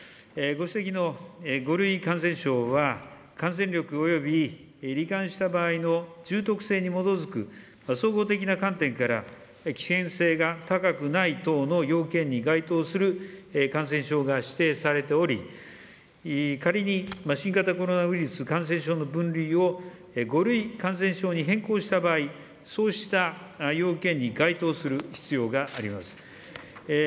ご指摘の５類感染症は、感染力およびり患した場合の重篤性に基づく総合的な観点から、危険性が高くない等の要件に該当する感染症が指定されており、仮に新型コロナウイルス感染症の分類を、５類感染症に変更した場合、そうした要件に該当する必要があります。